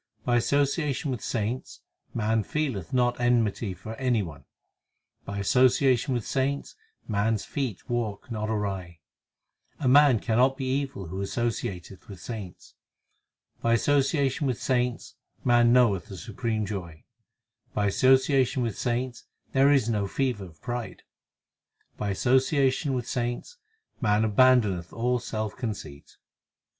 HYMNS OF GURU ARJAN 219 By association with saints man feeleth not enmity for any one, By association with saints man s feet walk not awry A man cannot be evil who associateth with saints By association with saints man knoweth the Supreme By association with saints there is no fever of pride, By association with saints man abandoneth all self conceit.